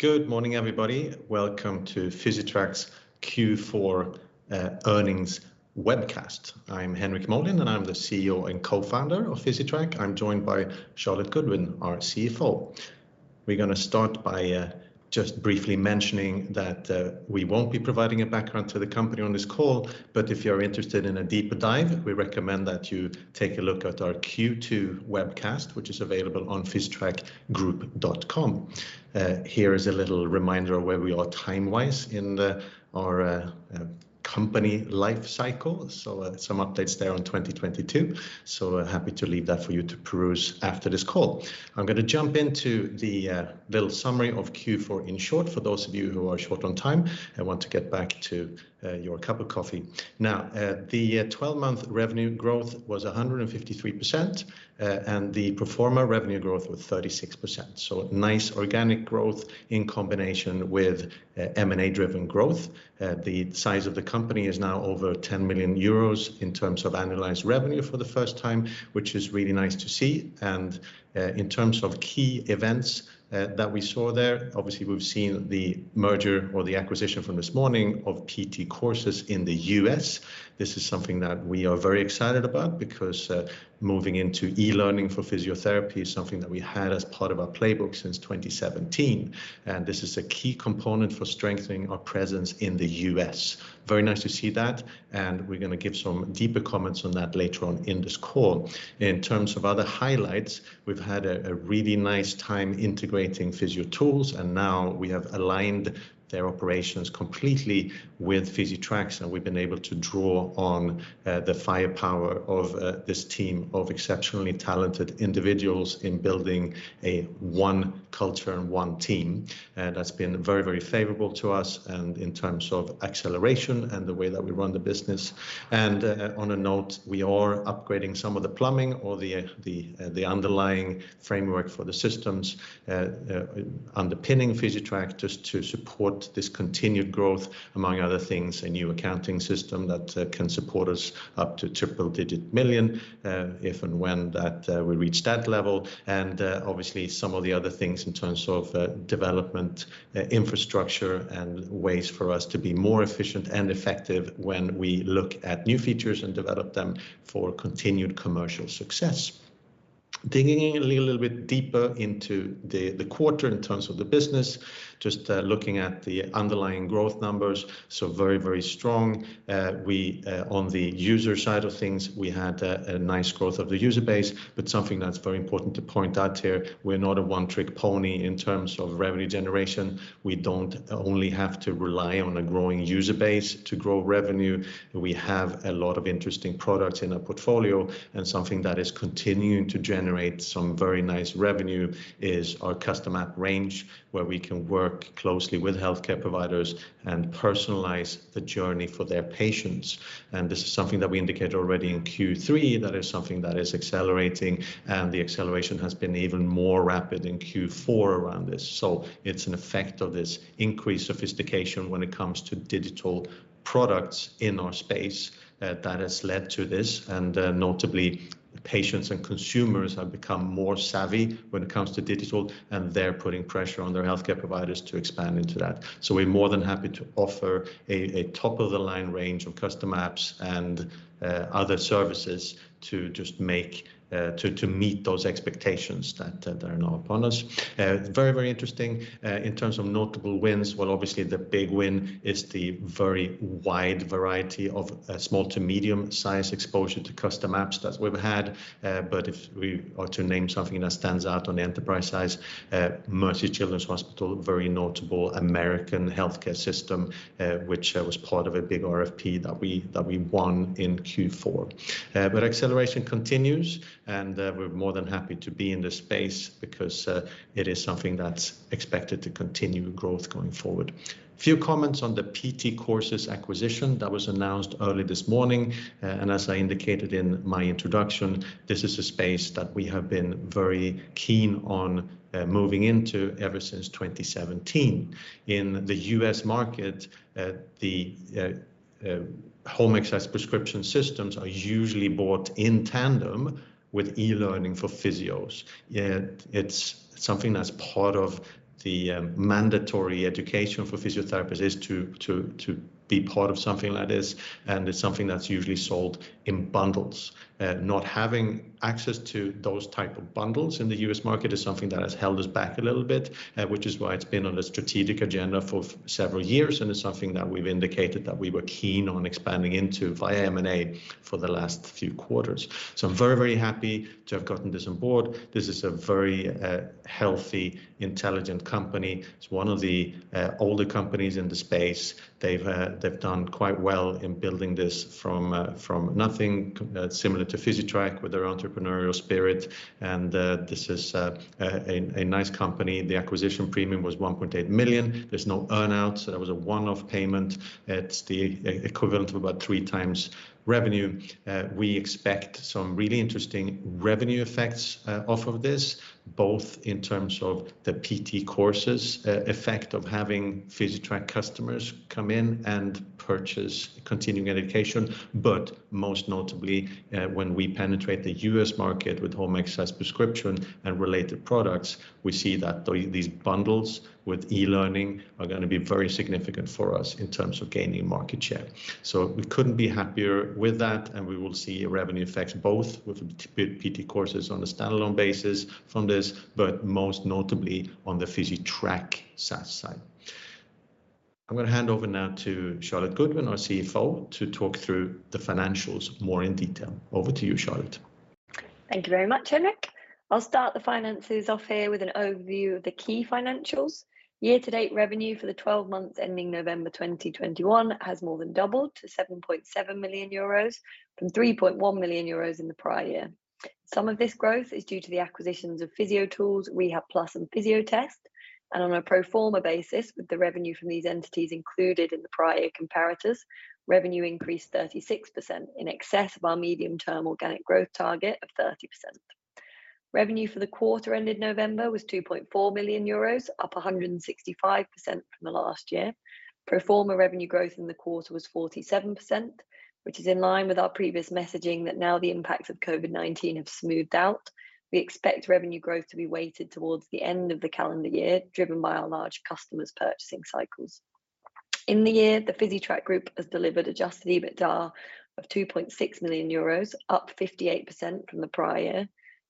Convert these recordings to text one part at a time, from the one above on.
Good morning, everybody. Welcome to Physitrack's Q4 earnings webcast. I'm Henrik Molin, and I'm the CEO and Co-founder of Physitrack. I'm joined by Charlotte Goodwin, our CFO. We're gonna start by just briefly mentioning that we won't be providing a background to the company on this call. If you're interested in a deeper dive, we recommend that you take a look at our Q2 webcast, which is available on physitrackgroup.com. Here is a little reminder of where we are time-wise in our company life cycle. Some updates there on 2022, so happy to leave that for you to peruse after this call. I'm gonna jump into the little summary of Q4 in short for those of you who are short on time and want to get back to your cup of coffee. The 12-month revenue growth was 153%, and the pro forma revenue growth was 36%. Nice organic growth in combination with M&A-driven growth. The size of the company is now over 10 million euros in terms of annualized revenue for the first time, which is really nice to see. In terms of key events that we saw there, obviously we've seen the merger or the acquisition from this morning of PT Courses in the U.S. This is something that we are very excited about because moving into e-learning for physiotherapy is something that we had as part of our playbook since 2017, and this is a key component for strengthening our presence in the U.S. Very nice to see that, and we're gonna give some deeper comments on that later on in this call. In terms of other highlights, we've had a really nice time integrating Physiotools, and now we have aligned their operations completely with Physitrack's, and we've been able to draw on the firepower of this team of exceptionally talented individuals in building a one culture and one team. That's been very, very favorable to us and in terms of acceleration and the way that we run the business. On that note, we are upgrading some of the plumbing or the underlying framework for the systems underpinning Physitrack just to support this continued growth. Among other things, a new accounting system that can support us up to triple-digit million, if and when we reach that level, and obviously some of the other things in terms of development, infrastructure, and ways for us to be more efficient and effective when we look at new features and develop them for continued commercial success. Digging a little bit deeper into the quarter in terms of the business, just looking at the underlying growth numbers, so very, very strong. On the user side of things, we had a nice growth of the user base, but something that's very important to point out here, we're not a one-trick pony in terms of revenue generation. We don't only have to rely on a growing user base to grow revenue. We have a lot of interesting products in our portfolio, and something that is continuing to generate some very nice revenue is our Custom App range, where we can work closely with healthcare providers and personalize the journey for their patients. This is something that we indicated already in Q3 that is something that is accelerating, and the acceleration has been even more rapid in Q4 around this. It's an effect of this increased sophistication when it comes to digital products in our space that has led to this. Notably, patients and consumers have become more savvy when it comes to digital, and they're putting pressure on their healthcare providers to expand into that. We're more than happy to offer a top-of-the-line range of Custom Apps and other services to meet those expectations that are now upon us. Very interesting in terms of notable wins. Well, obviously the big win is the very wide variety of small to medium-sized exposure to custom apps that we've had. If we are to name something that stands out on the enterprise side, Children's Mercy Hospital, very notable American healthcare system, which was part of a big RFP that we won in Q4. Acceleration continues, and we're more than happy to be in this space because it is something that's expected to continue growth going forward. Few comments on the PT Courses acquisition that was announced early this morning, and as I indicated in my introduction, this is a space that we have been very keen on moving into ever since 2017. In the U.S. market, the home exercise prescription systems are usually bought in tandem with e-learning for physios. It's something that's part of the mandatory education for physiotherapists is to be part of something like this, and it's something that's usually sold in bundles. Not having access to those type of bundles in the U.S. market is something that has held us back a little bit, which is why it's been on the strategic agenda for several years, and it's something that we've indicated that we were keen on expanding into via M&A for the last few quarters. I'm very, very happy to have gotten this on board. This is a very healthy, intelligent company. It's one of the older companies in the space. They've done quite well in building this from nothing, similar to Physitrack with their entrepreneurial spirit, and this is a nice company. The acquisition premium was 1.8 million. There's no earn-out, so that was a one-off payment. It's the equivalent of about 3x revenue. We expect some really interesting revenue effects off of this, both in terms of the PT Courses effect of having Physitrack customers come in and purchase continuing education. Most notably, when we penetrate the U.S. market with home exercise prescription and related products, we see that these bundles with e-learning are gonna be very significant for us in terms of gaining market share. We couldn't be happier with that, and we will see revenue effects both with PT Courses on a standalone basis from this, but most notably on the Physitrack SaaS side. I'm gonna hand over now to Charlotte Goodwin, our CFO, to talk through the financials more in detail. Over to you, Charlotte. Thank you very much, Henrik. I'll start the finances off here with an overview of the key financials. Year-to-date revenue for the 12 months ending November 2021 has more than doubled to 7.7 million euros from 3.1 million euros in the prior year. Some of this growth is due to the acquisitions of Physiotools, Rehabplus, and Fysiotest. On a pro forma basis, with the revenue from these entities included in the prior year comparators, revenue increased 36%, in excess of our medium-term organic growth target of 30%. Revenue for the quarter ended November was 2.4 million euros, up 165% from the last year. Pro forma revenue growth in the quarter was 47%, which is in line with our previous messaging that now the impacts of COVID-19 have smoothed out. We expect revenue growth to be weighted towards the end of the calendar year, driven by our large customers' purchasing cycles. In the year, the Physitrack Group has delivered adjusted EBITDA of 2.6 million euros, up 58% from the prior year,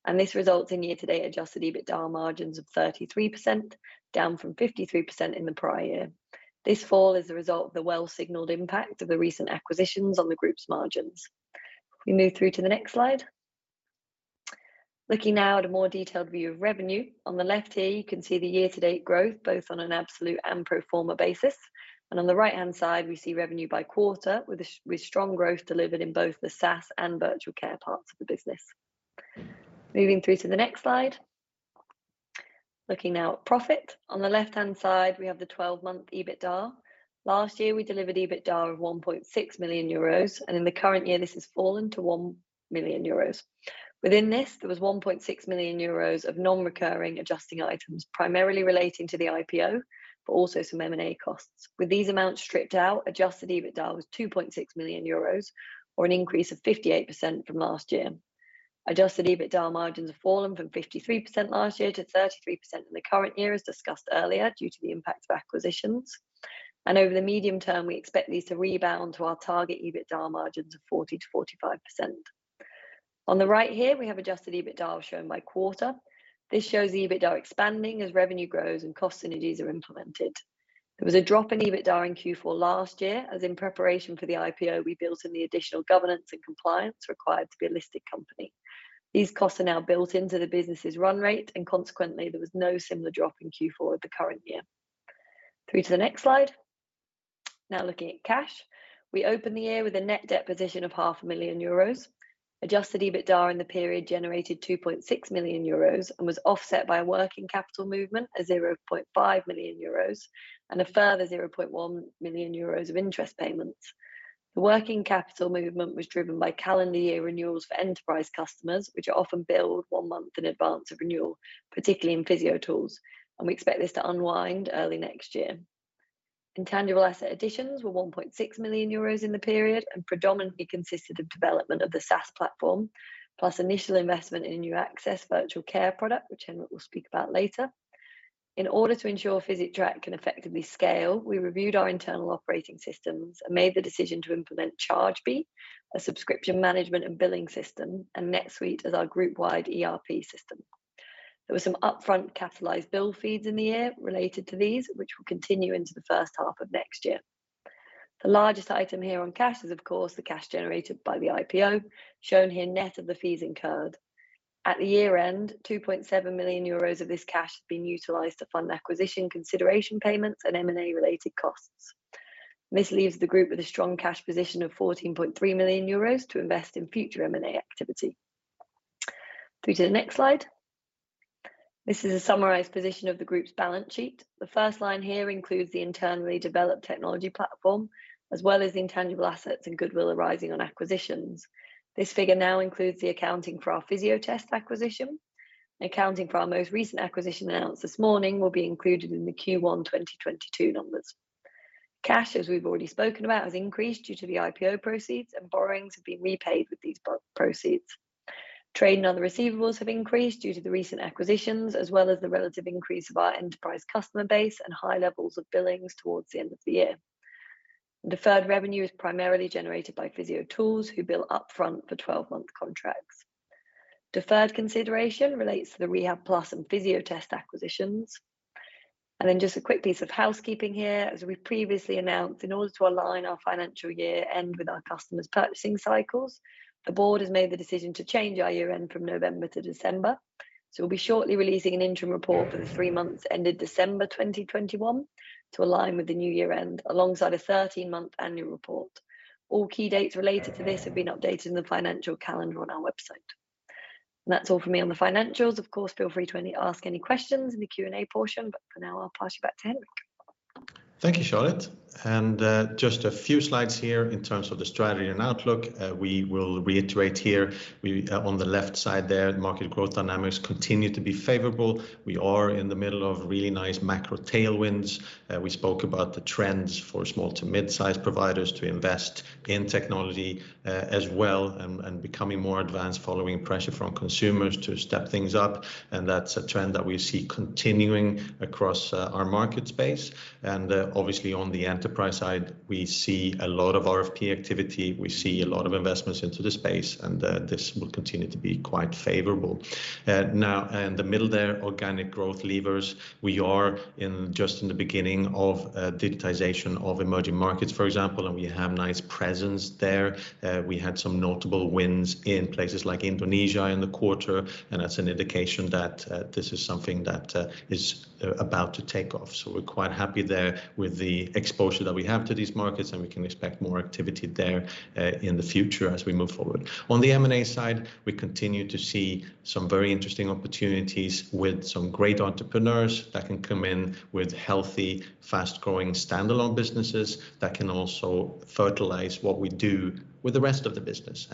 and this results in year-to-date adjusted EBITDA margins of 33%, down from 53% in the prior year. This fall is a result of the well-signaled impact of the recent acquisitions on the group's margins. Can we move through to the next slide? Looking now at a more detailed view of revenue. On the left here, you can see the year-to-date growth, both on an absolute and pro forma basis. On the right-hand side, we see revenue by quarter with strong growth delivered in both the SaaS and Virtual Care parts of the business. Moving through to the next slide. Looking now at profit. On the left-hand side, we have the 12-month EBITDA. Last year, we delivered EBITDA of 1.6 million euros, and in the current year, this has fallen to 1 million euros. Within this, there was 1.6 million euros of non-recurring adjusting items, primarily relating to the IPO, but also some M&A costs. With these amounts stripped out, adjusted EBITDA was 2.6 million euros, or an increase of 58% from last year. Adjusted EBITDA margins have fallen from 53% last year to 33% in the current year, as discussed earlier, due to the impact of acquisitions. Over the medium term, we expect these to rebound to our target EBITDA margins of 40%-45%. On the right here, we have adjusted EBITDA shown by quarter. This shows the EBITDA expanding as revenue grows and cost synergies are implemented. There was a drop in EBITDA in Q4 last year, as in preparation for the IPO, we built in the additional governance and compliance required to be a listed company. These costs are now built into the business's run rate, and consequently, there was no similar drop in Q4 of the current year. Through to the next slide. Now looking at cash. We opened the year with a net debt position of 500,000 euros. Adjusted EBITDA in the period generated 2.6 million euros and was offset by a working capital movement of 0.5 million euros and a further 0.1 million euros of interest payments. The working capital movement was driven by calendar year renewals for enterprise customers, which are often billed one month in advance of renewal, particularly in Physiotools, and we expect this to unwind early next year. Intangible asset additions were 1.6 million euros in the period and predominantly consisted of development of the SaaS platform, plus initial investment in a new Access virtual care product, which Henrik will speak about later. In order to ensure Physitrack can effectively scale, we reviewed our internal operating systems and made the decision to implement Chargebee, a subscription management and billing system, and NetSuite as our group-wide ERP system. There were some upfront capitalized bill feeds in the year related to these, which will continue into the first half of next year. The largest item here on cash is, of course, the cash generated by the IPO, shown here net of the fees incurred. At the year-end, 2.7 million euros of this cash had been utilized to fund acquisition consideration payments and M&A related costs. This leaves the group with a strong cash position of 14.3 million euros to invest in future M&A activity. Through to the next slide. This is a summarized position of the group's balance sheet. The first line here includes the internally developed technology platform, as well as the intangible assets and goodwill arising on acquisitions. This figure now includes the accounting for our Fysiotest acquisition. The accounting for our most recent acquisition announced this morning will be included in the Q1 2022 numbers. Cash, as we've already spoken about, has increased due to the IPO proceeds, and borrowings have been repaid with these pro-proceeds. Trade and other receivables have increased due to the recent acquisitions, as well as the relative increase of our enterprise customer base and high levels of billings towards the end of the year. Deferred revenue is primarily generated by Physiotools, who bill up front for 12-month contracts. Deferred consideration relates to the Rehabplus and Fysiotest acquisitions. Just a quick piece of housekeeping here. As we previously announced, in order to align our financial year-end with our customers' purchasing cycles, the board has made the decision to change our year-end from November to December. We'll be shortly releasing an interim report for the three months ended December 2021 to align with the new year-end, alongside a 13-month annual report. All key dates related to this have been updated in the financial calendar on our website. That's all from me on the financials. Of course, feel free to ask any questions in the Q&A portion, but for now, I'll pass you back to Henrik. Thank you, Charlotte. Just a few slides here in terms of the strategy and outlook. We will reiterate here, on the left side there, market growth dynamics continue to be favorable. We are in the middle of really nice macro tailwinds. We spoke about the trends for small to mid-size providers to invest in technology, as well and becoming more advanced following pressure from consumers to step things up. That's a trend that we see continuing across our market space. Obviously on the enterprise side, we see a lot of RFP activity, we see a lot of investments into the space, and this will continue to be quite favorable. Now, in the middle there, organic growth levers. We are just in the beginning of digitization of emerging markets, for example, and we have nice presence there. We had some notable wins in places like Indonesia in the quarter, and that's an indication that this is something that is about to take off. We're quite happy there with the exposure that we have to these markets, and we can expect more activity there in the future as we move forward. On the M&A side, we continue to see some very interesting opportunities with some great entrepreneurs that can come in with healthy, fast-growing standalone businesses that can also fertilize what we do with the rest of the business.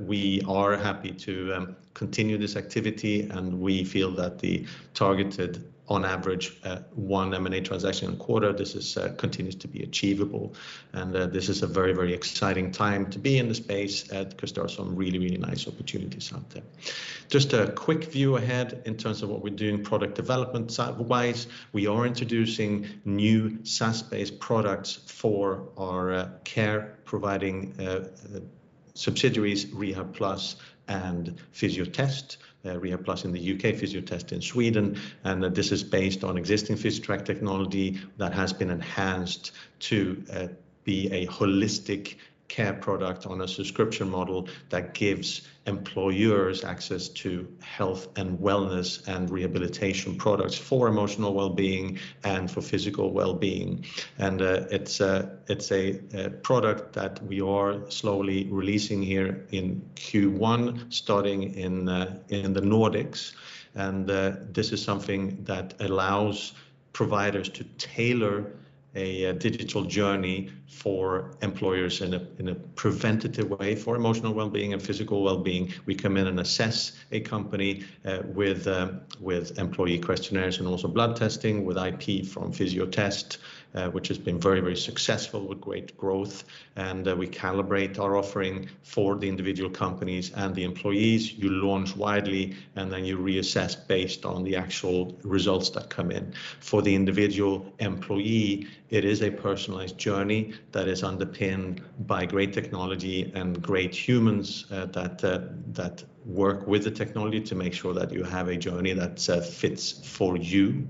We are happy to continue this activity, and we feel that the targeted, on average, one M&A transaction a quarter. This continues to be achievable. This is a very, very exciting time to be in the space, because there are some really, really nice opportunities out there. Just a quick view ahead in terms of what we're doing product development side-wise. We are introducing new SaaS-based products for our care providing subsidiaries, Rehabplus and Fysiotest. Rehabplus in the U.K., Fysiotest in Sweden, and this is based on existing Physitrack technology that has been enhanced to be a holistic care product on a subscription model that gives employers access to health and wellness and rehabilitation products for emotional well-being and for physical well-being. It's a product that we are slowly releasing here in Q1, starting in the Nordics. This is something that allows providers to tailor a digital journey for employers in a preventive way for emotional well-being and physical well-being. We come in and assess a company with employee questionnaires and also blood testing with IP from Fysiotest, which has been very successful with great growth. We calibrate our offering for the individual companies and the employees. You launch widely, and then you reassess based on the actual results that come in. For the individual employee, it is a personalized journey that is underpinned by great technology and great humans that work with the technology to make sure that you have a journey that fits for you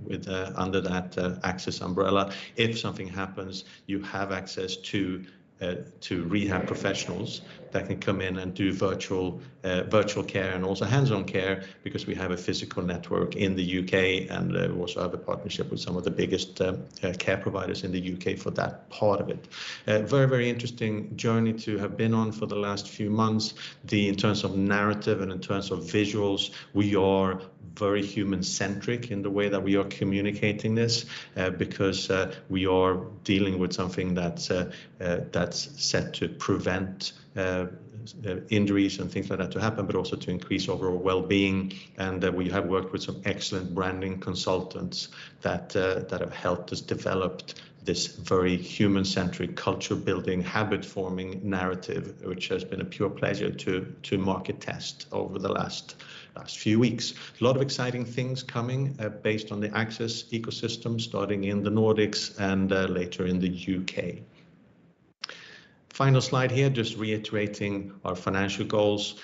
under that Access umbrella. If something happens, you have access to rehab professionals that can come in and do virtual care and also hands-on care because we have a physical network in the U.K. and we also have a partnership with some of the biggest care providers in the U.K. for that part of it. A very, very interesting journey to have been on for the last few months. In terms of narrative and in terms of visuals, we are very human-centric in the way that we are communicating this, because we are dealing with something that's set to prevent injuries and things like that to happen, but also to increase overall well-being. We have worked with some excellent branding consultants that have helped us developed this very human-centric, culture-building, habit-forming narrative, which has been a pure pleasure to market test over the last few weeks. A lot of exciting things coming based on the Axis ecosystem, starting in the Nordics and later in the U.K. Final slide here, just reiterating our financial goals.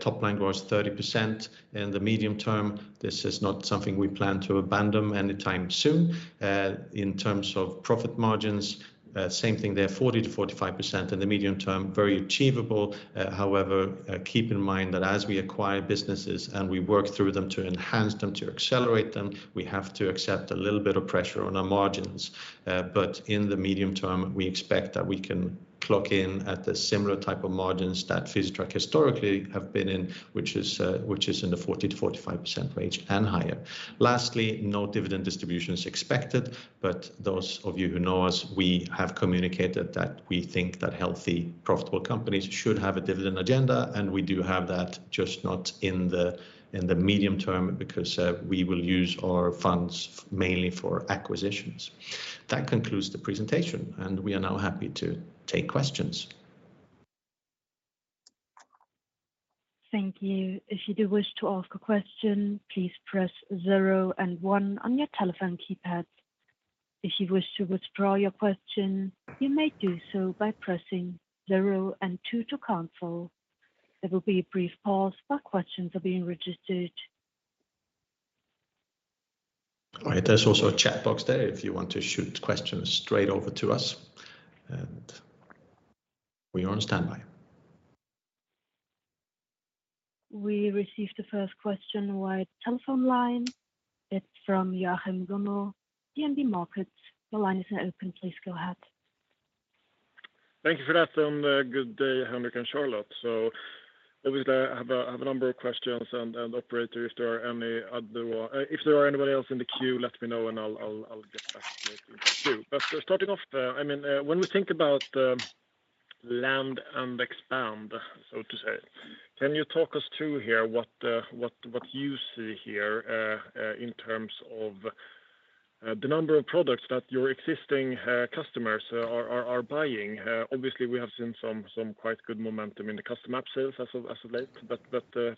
Top line growth 30% in the medium term. This is not something we plan to abandon anytime soon. In terms of profit margins, same thing there, 40%-45% in the medium term. Very achievable. However, keep in mind that as we acquire businesses and we work through them to enhance them, to accelerate them, we have to accept a little bit of pressure on our margins. In the medium term, we expect that we can clock in at the similar type of margins that Physitrack historically have been in, which is in the 40%-45% range and higher. Lastly, no dividend distribution is expected, but those of you who know us, we have communicated that we think that healthy, profitable companies should have a dividend agenda, and we do have that, just not in the medium term because we will use our funds mainly for acquisitions. That concludes the presentation, and we are now happy to take questions. Thank you. If you do wish to ask a question, please press zero and one on your telephone keypad. If you wish to withdraw your question, you may do so by pressing zero and two to cancel. There will be a brief pause while questions are being registered. All right. There's also a chat box there if you want to shoot questions straight over to us. We are on standby. We received the first question via telephone line. It's from Joachim Gunell, DNB Markets. The line is now open. Please go ahead. Thank you for that. Good day, Henrik and Charlotte. Obviously, I have a number of questions and operator, if there are anybody else in the queue, let me know and I'll get back to it too. Starting off, I mean, when we think about land and expand, so to say, can you talk us through here what you see here in terms of the number of products that your existing customers are buying? Obviously, we have seen some quite good momentum in the custom app sales as of late, but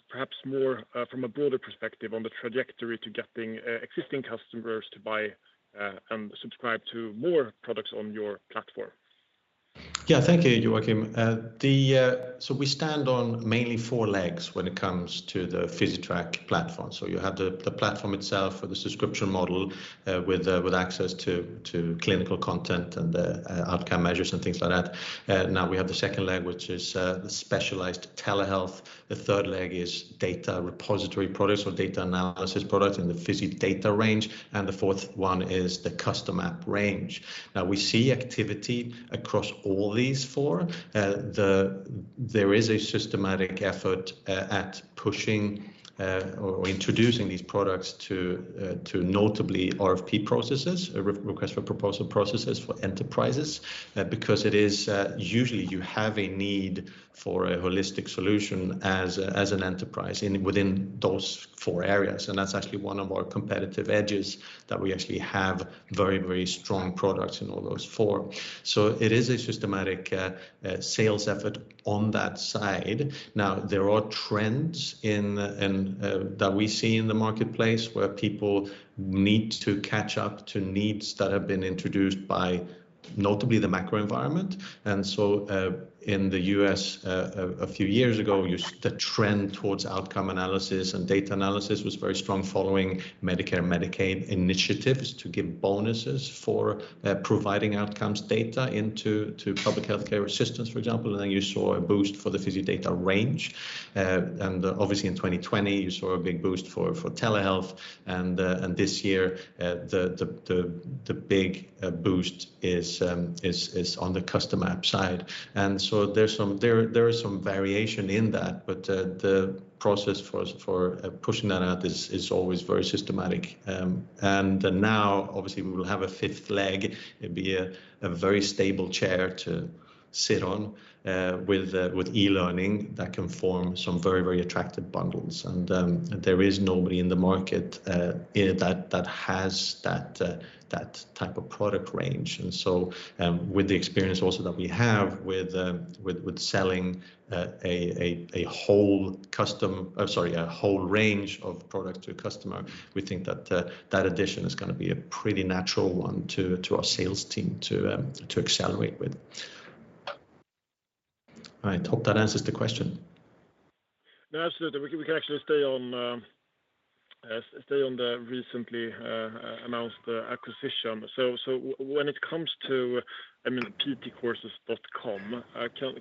perhaps more from a broader perspective on the trajectory to getting existing customers to buy and subscribe to more products on your platform. Yeah. Thank you, Joachim. We stand on mainly four legs when it comes to the Physitrack platform. You have the platform itself or the subscription model, with access to clinical content and the outcome measures and things like that. Now we have the second leg, which is the specialised telehealth. The third leg is data repository products or data analysis product in the PhysiData range, and the fourth one is the Custom App range. Now we see activity across all these four. There is a systematic effort at pushing or introducing these products to notably RFP processes or request for proposal processes for enterprises, because it is usually you have a need for a holistic solution as an enterprise within those four areas. That's actually one of our competitive edges that we actually have very, very strong products in all those four. It is a systematic sales effort on that side. Now, there are trends in that we see in the marketplace where people need to catch up to needs that have been introduced by notably the macro environment. In the U.S., a few years ago, the trend towards outcome analysis and data analysis was very strong following Medicare and Medicaid initiatives to give bonuses for providing outcomes data into public healthcare systems, for example. Then you saw a boost for the PhysiData range. Obviously in 2020, you saw a big boost for telehealth and this year the big boost is on the Custom App side. There's some variation in that, but the process for pushing that out is always very systematic. Now obviously we will have a fifth leg. It'd be a very stable chair to sit on with e-learning that can form some very attractive bundles. There is nobody in the market that has that type of product range. With the experience also that we have with selling a whole custom... Oh, sorry, a whole range of products to a customer. We think that addition is gonna be a pretty natural one to our sales team to accelerate with. I hope that answers the question. Absolutely. We can actually stay on the recently announced acquisition. When it comes to, I mean, PTcourses.com,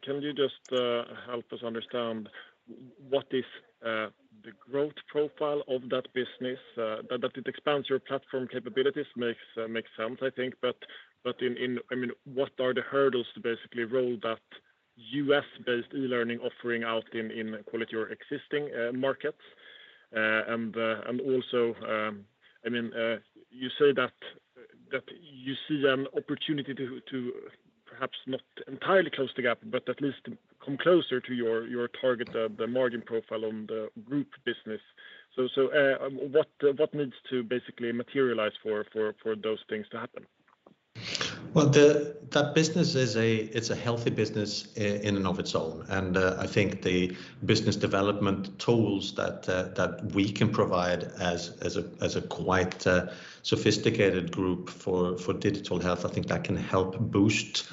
can you just help us understand what is the growth profile of that business? That it expands your platform capabilities makes sense, I think. I mean, what are the hurdles to basically roll that U.S.-based e-learning offering out in key or existing markets? Also, I mean, you say that you see an opportunity to perhaps not entirely close the gap, but at least come closer to your target, the margin profile on the group business. What needs to basically materialize for those things to happen? That business is, it's a healthy business in and of its own. I think the business development tools that we can provide as a quite sophisticated group for digital health can help boost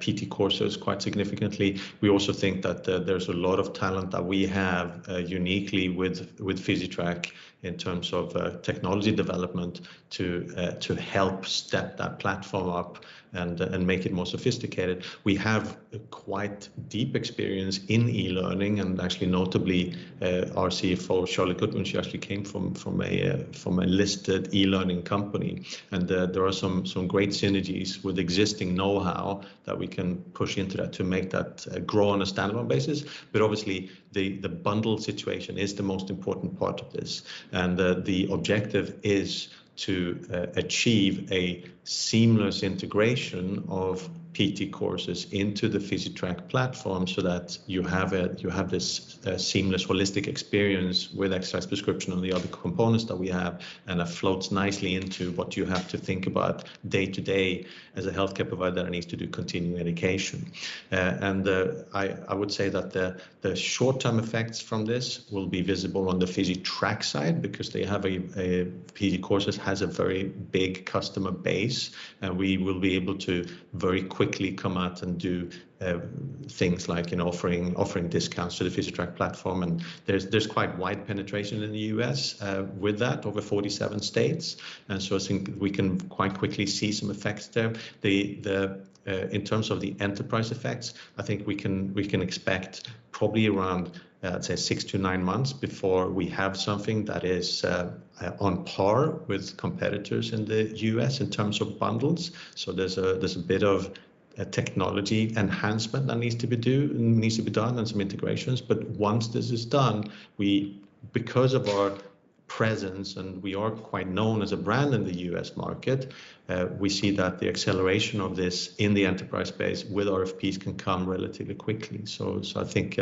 PT Courses quite significantly. We also think that there's a lot of talent that we have uniquely with Physitrack in terms of technology development to help step that platform up and make it more sophisticated. We have quite deep experience in e-learning, and actually notably, our CFO, Charlotte Goodwin, she actually came from a listed e-learning company. There are some great synergies with existing know-how that we can push into that to make that grow on a standalone basis. Obviously the bundle situation is the most important part of this. The objective is to achieve a seamless integration of PT Courses into the Physitrack platform so that you have this seamless, holistic experience with exercise prescription and the other components that we have, and it floats nicely into what you have to think about day to day as a healthcare provider that needs to do continuing education. I would say that the short-term effects from this will be visible on the Physitrack side because PT Courses has a very big customer base, and we will be able to very quickly come out and do things like, you know, offering discounts for the Physitrack platform. There's quite wide penetration in the U.S. with that, over 47 states. I think we can quite quickly see some effects there. In terms of the enterprise effects, I think we can expect probably around, say six to nine months before we have something that is on par with competitors in the U.S. in terms of bundles. There's a bit of a technology enhancement that needs to be done, and some integrations. Once this is done, because of our presence, and we are quite known as a brand in the U.S. market, we see that the acceleration of this in the enterprise space with RFPs can come relatively quickly. I think,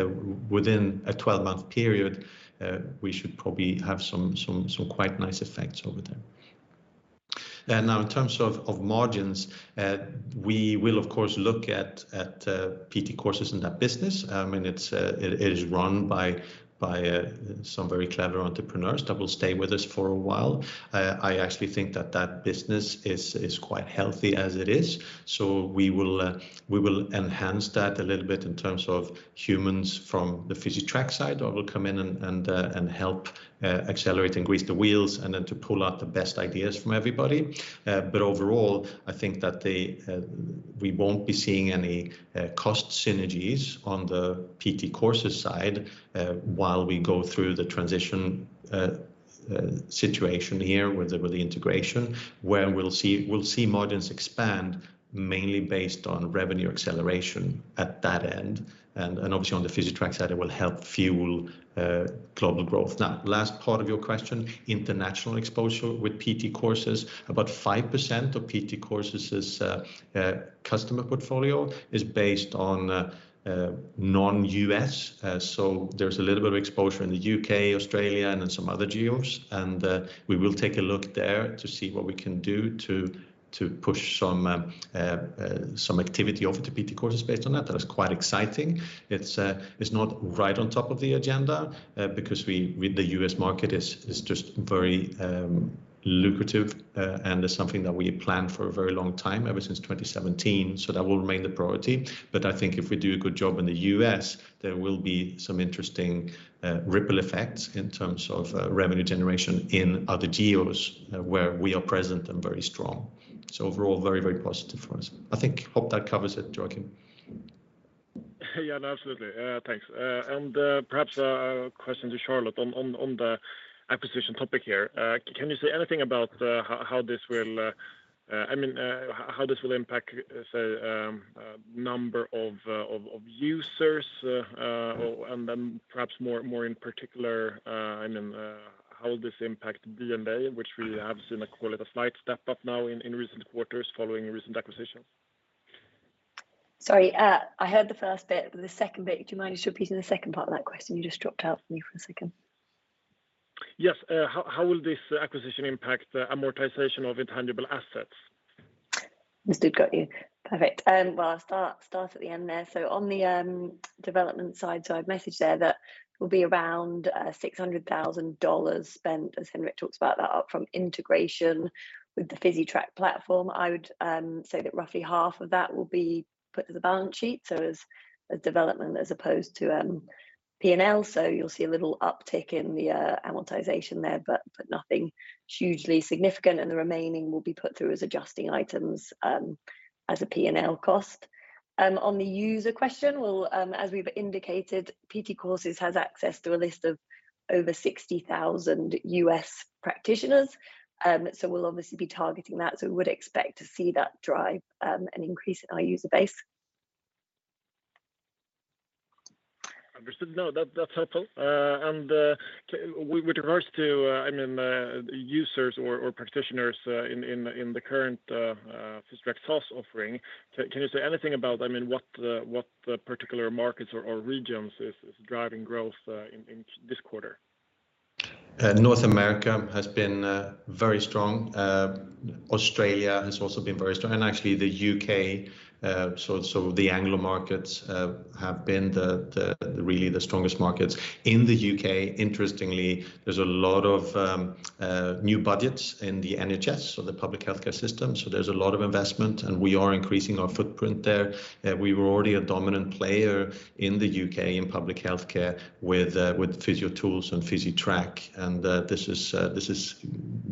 within a 12-month period, we should probably have some quite nice effects over time. Now in terms of margins, we will of course look at PT Courses in that business. I mean, it's run by some very clever entrepreneurs that will stay with us for a while. I actually think that business is quite healthy as it is, so we will enhance that a little bit in terms of humans from the Physitrack side that will come in and help accelerate and grease the wheels, and then to pull out the best ideas from everybody. But overall, I think that we won't be seeing any cost synergies on the PT Courses side while we go through the transition situation here with the integration. Where we'll see margins expand mainly based on revenue acceleration at that end. Obviously on the Physitrack side, it will help fuel global growth. Now, last part of your question, international exposure with PT Courses. About 5% of PT Courses' customer portfolio is based on non-U.S. There's a little bit of exposure in the U.K., Australia, and in some other geos. We will take a look there to see what we can do to push some activity over to PT Courses based on that. That is quite exciting. It's not right on top of the agenda because the U.S. market is just very lucrative. It's something that we had planned for a very long time, ever since 2017, so that will remain the priority. I think if we do a good job in the U.S., there will be some interesting ripple effects in terms of revenue generation in other geos where we are present and very strong. Overall, very, very positive for us. I think, hope that covers it, Joachim. Yeah, no, absolutely. Thanks. Perhaps a question to Charlotte on the acquisition topic here. Can you say anything about how this will impact, say, number of users? Then perhaps more in particular, I mean, how will this impact D&A, which we have seen, call it, a slight step up now in recent quarters following recent acquisitions? Sorry, I heard the first bit, but the second bit, do you mind just repeating the second part of that question? You just dropped out for me for a second. Yes. How will this acquisition impact the amortization of intangible assets? Understood. Got you. Perfect. Well, I'll start at the end there. On the development side, I've messaged there that there will be around $600,000 spent, as Henrik talked about, that are from integration with the Physitrack platform. I would say that roughly half of that will be put to the balance sheet, so as a development as opposed to P&L. You'll see a little uptick in the amortization there, but nothing hugely significant. The remaining will be put through as adjusting items as a P&L cost. On the user question, well, as we've indicated, PT Courses has access to a list of over 60,000 U.S. practitioners, so we'll obviously be targeting that. We would expect to see that drive an increase in our user base. Understood. No, that's helpful. With regards to users or practitioners in the current Physitrack SaaS offering, can you say anything about, I mean, what particular markets or regions is driving growth in this quarter? North America has been very strong. Australia has also been very strong. Actually, the U.K., so the Anglo markets have been really the strongest markets. In the U.K., interestingly, there's a lot of new budgets in the NHS, the public healthcare system. There's a lot of investment, and we are increasing our footprint there. We were already a dominant player in the U.K. in public healthcare with Physiotools and Physitrack, and this is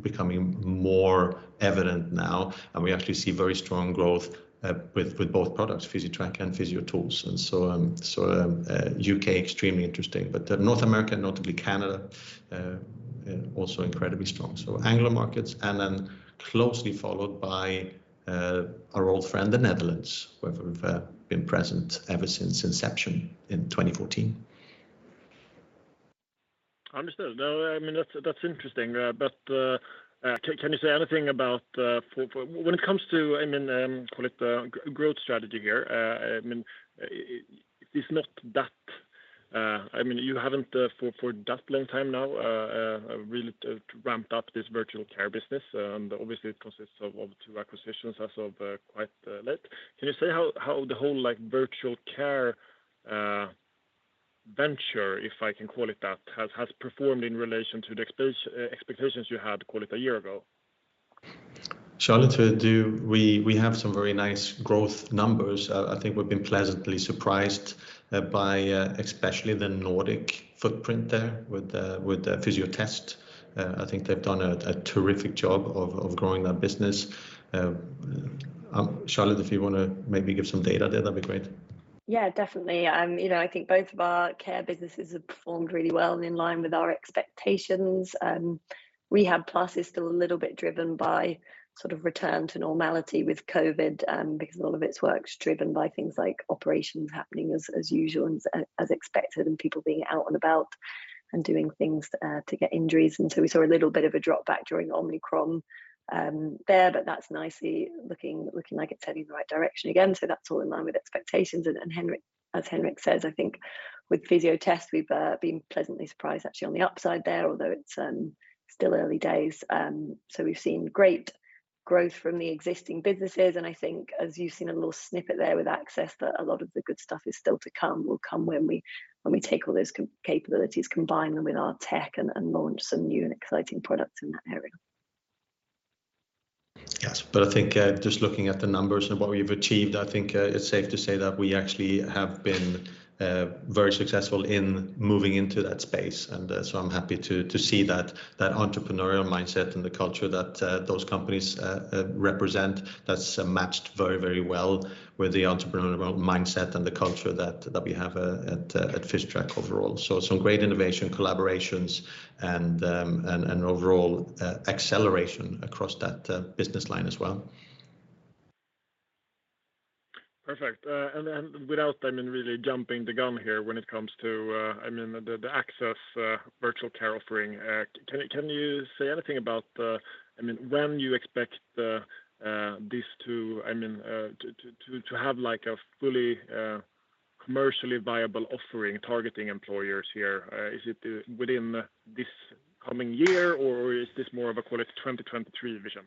becoming more evident now. We actually see very strong growth with both products, Physitrack and Physiotools. U.K. extremely interesting. North America, notably Canada, also incredibly strong. Anglo markets, and then closely followed by our old friend, the Netherlands, where we've been present ever since inception in 2014. Understood. No, I mean, that's interesting. Can you say anything about when it comes to, I mean, call it growth strategy here? I mean, it's not that I mean you haven't for that long time now really ramped up this virtual care business, and obviously it consists of two acquisitions as of quite late. Can you say how the whole, like, virtual care venture, if I can call it that, has performed in relation to the expectations you had, call it, a year ago? Charlotte, we have some very nice growth numbers. I think we've been pleasantly surprised by especially the Nordic footprint there with the Fysiotest. I think they've done a terrific job of growing that business. Charlotte, if you wanna maybe give some data there, that'd be great. Yeah, definitely. You know, I think both of our care businesses have performed really well and in line with our expectations. Rehabplus is still a little bit driven by sort of return to normality with COVID, because a lot of its work's driven by things like operations happening as usual and as expected, and people being out and about and doing things to get injuries. We saw a little bit of a drop back during Omicron, there, but that's nicely looking like it's heading in the right direction again. That's all in line with expectations. Henrik, as Henrik says, I think with Fysiotest, we've been pleasantly surprised actually on the upside there, although it's still early days. We've seen great growth from the existing businesses, and I think as you've seen a little snippet there with Access that a lot of the good stuff is still to come, will come when we take all those capabilities, combine them with our tech, and launch some new and exciting products in that area. Yes. I think just looking at the numbers and what we've achieved, I think it's safe to say that we actually have been very successful in moving into that space. I'm happy to see that entrepreneurial mindset and the culture that those companies represent, that's matched very, very well with the entrepreneurial mindset and the culture that we have at Physitrack overall. Some great innovation collaborations and overall acceleration across that business line as well. Perfect. Without, I mean, really jumping the gun here when it comes to, I mean, the Access virtual care offering, can you say anything about, I mean, when you expect this to, I mean, to have like a fully commercially viable offering targeting employers here? Is it within this coming year, or is this more of a call it 2023 vision?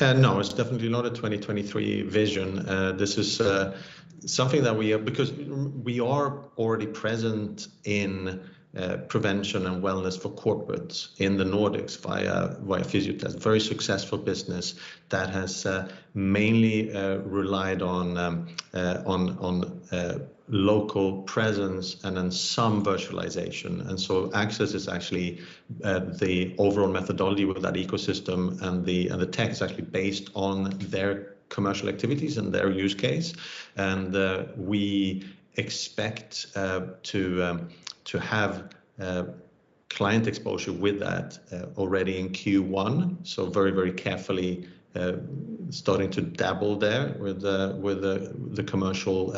No, it's definitely not a 2023 vision. This is something that we have because we are already present in prevention and wellness for corporates in the Nordics via Fysiotest. Very successful business that has mainly relied on local presence and then some virtualization. Access is actually the overall methodology with that ecosystem, and the tech is actually based on their commercial activities and their use case. We expect to have client exposure with that already in Q1, very carefully starting to dabble there with the commercial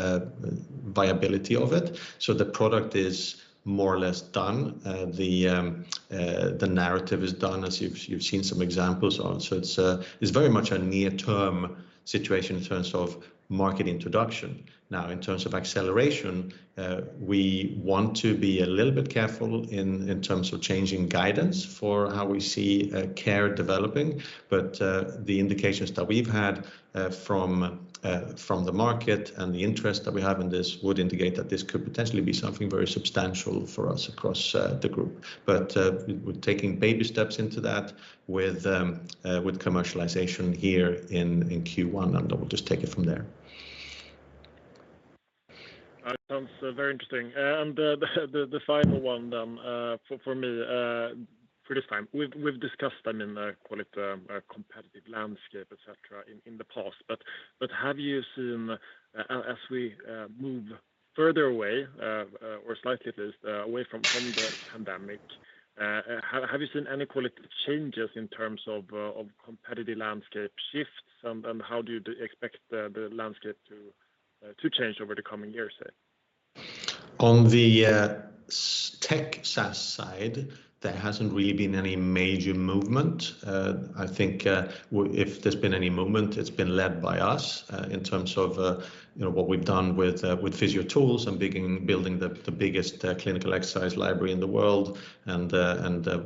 viability of it. The product is more or less done. The narrative is done as you've seen some examples on. It's very much a near-term situation in terms of market introduction. Now, in terms of acceleration, we want to be a little bit careful in terms of changing guidance for how we see care developing. The indications that we've had from the market and the interest that we have in this would indicate that this could potentially be something very substantial for us across the group. We're taking baby steps into that with commercialization here in Q1, and we'll just take it from there. That sounds very interesting. The final one for me for this time, we've discussed, I mean, call it a competitive landscape, et cetera, in the past. As we move further away or slightly at least away from the pandemic, have you seen any qualitative changes in terms of competitive landscape shifts? And how do you expect the landscape to change over the coming years, say? On the SaaS side, there hasn't really been any major movement. I think if there's been any movement, it's been led by us, in terms of, you know, what we've done with Physiotools and building the biggest clinical exercise library in the world and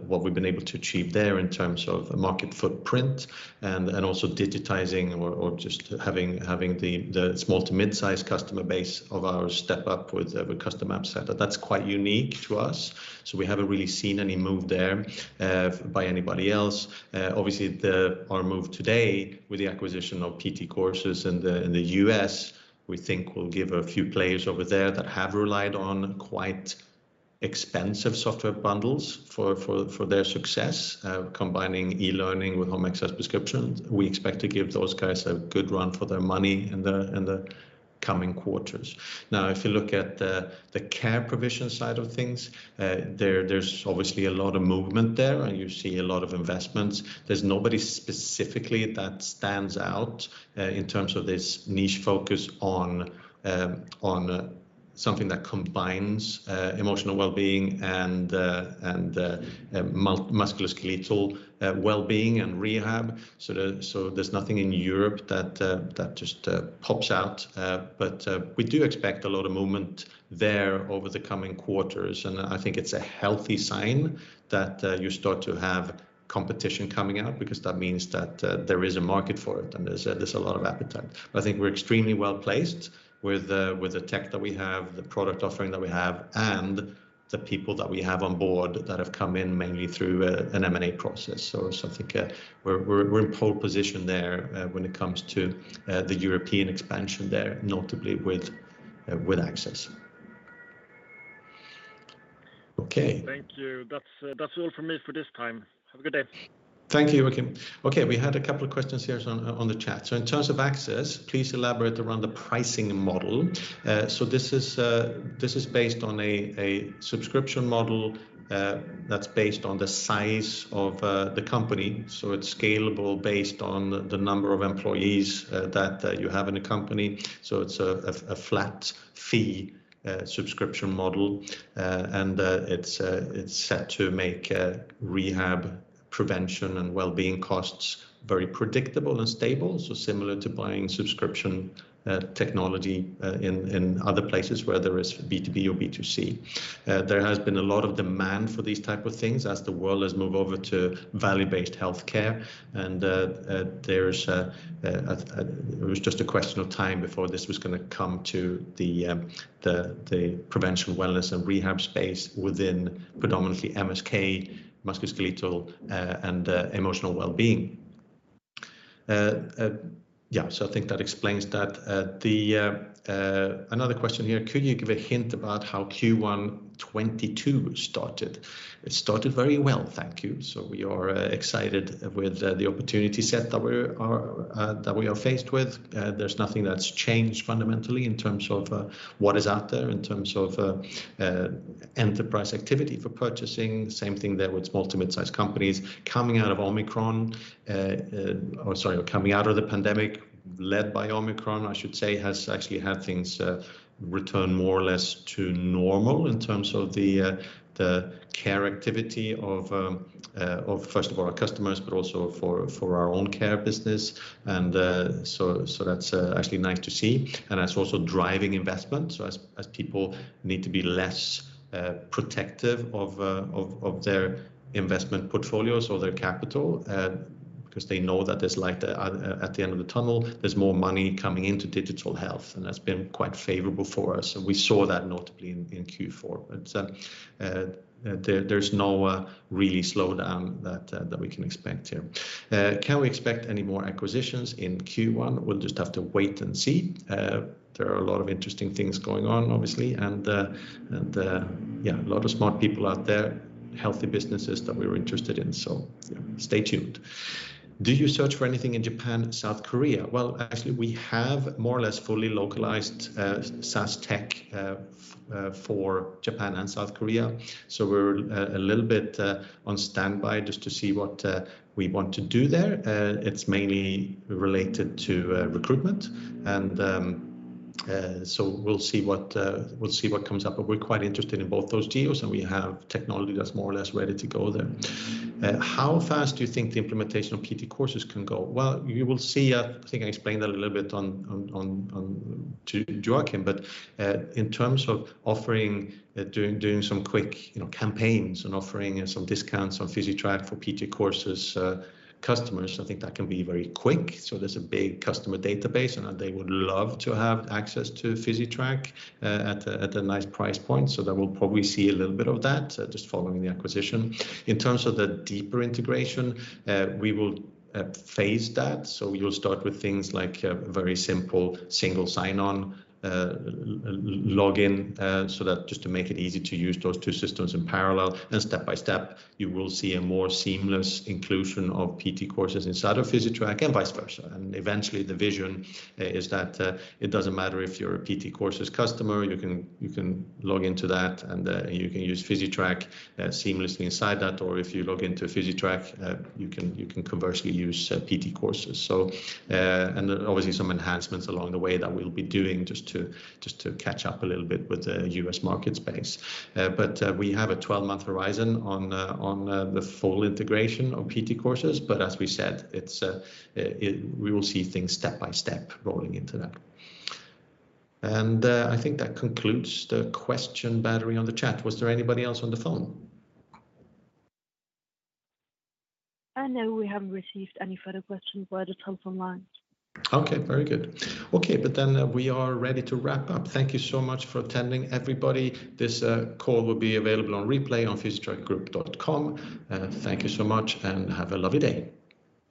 what we've been able to achieve there in terms of market footprint and also digitizing or just having the small to mid-size customer base of ours step up with Custom App setup. That's quite unique to us, so we haven't really seen any move there by anybody else. Obviously, our move today with the acquisition of PT Courses in the U.S., we think, will give a few players over there that have relied on quite expensive software bundles for their success, combining e-learning with home exercise prescriptions. We expect to give those guys a good run for their money in the coming quarters. Now, if you look at the care provision side of things, there's obviously a lot of movement there, and you see a lot of investments. There's nobody specifically that stands out in terms of this niche focus on something that combines emotional well-being and musculoskeletal well-being and rehab. There's nothing in Europe that just pops out. We do expect a lot of movement there over the coming quarters. I think it's a healthy sign that you start to have competition coming out because that means that there is a market for it, and there's a lot of appetite. I think we're extremely well-placed with the tech that we have, the product offering that we have, and the people that we have on board that have come in mainly through an M&A process. I think we're in pole position there when it comes to the European expansion there, notably with Access. Okay. Thank you. That's all from me for this time. Have a good day. Thank you, Joachim. Okay, we had a couple of questions here on the chat. In terms of Access, please elaborate around the pricing model. This is based on a subscription model that's based on the size of the company. It's scalable based on the number of employees that you have in a company. It's a flat-fee subscription model. And it's set to make rehab prevention and wellbeing costs very predictable and stable, so similar to buying subscription technology in other places where there is B2B or B2C. There has been a lot of demand for these type of things as the world has moved over to value-based healthcare, and there's a—It was just a question of time before this was gonna come to the prevention, wellness, and rehab space within predominantly MSK, musculoskeletal, and emotional wellbeing. Yeah, so I think that explains that. Another question here, could you give a hint about how Q1 2022 started? It started very well, thank you. We are excited with the opportunity set that we are faced with. There's nothing that's changed fundamentally in terms of what is out there in terms of enterprise activity for purchasing. Same thing there with small to mid-sized companies coming out of the pandemic led by Omicron, I should say, has actually had things return more or less to normal in terms of the care activity of first of all our customers, but also for our own care business. That's actually nice to see, and that's also driving investment. As people need to be less protective of their investment portfolios or their capital because they know that there's light at the end of the tunnel, there's more money coming into digital health, and that's been quite favorable for us. We saw that notably in Q4. There's no really slowdown that we can expect here. Can we expect any more acquisitions in Q1? We'll just have to wait and see. There are a lot of interesting things going on, obviously, and yeah, a lot of smart people out there, healthy businesses that we're interested in. Stay tuned. Do you search for anything in Japan and South Korea? Well, actually, we have more or less fully localized SaaS tech for Japan and South Korea. We're a little bit on standby just to see what we want to do there. It's mainly related to recruitment. We'll see what comes up. We're quite interested in both those geos, and we have technology that's more or less ready to go there. How fast do you think the implementation of PT Courses can go? Well, you will see. I think I explained that a little bit on Joachim. In terms of offering, doing some quick, you know, campaigns and offering some discounts on Physitrack for PT Courses customers, I think that can be very quick. So there's a big customer database, and they would love to have access to Physitrack at a nice price point. So that we'll probably see a little bit of that just following the acquisition. In terms of the deeper integration, we will phase that. You'll start with things like very simple single sign-on, login, so that just to make it easy to use those two systems in parallel. Step by step, you will see a more seamless inclusion of PT Courses inside of Physitrack, and vice versa. Eventually, the vision is that it doesn't matter if you're a PT Courses customer. You can log into that, and you can use Physitrack seamlessly inside that. Or if you log into Physitrack, you can conversely use PT Courses. Obviously some enhancements along the way that we'll be doing just to catch up a little bit with the U.S. market space. We have a 12-month horizon on the full integration of PT Courses. As we said, we will see things step by step rolling into that. I think that concludes the question battery on the chat. Was there anybody else on the phone? No, we haven't received any further questions via the telephone line. Okay, very good. Okay, we are ready to wrap up. Thank you so much for attending, everybody. This call will be available on replay on physitrackgroup.com. Thank you so much, and have a lovely day.